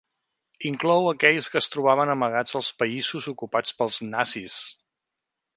Inclou aquells que es trobaven amagats als països ocupats pels nazis.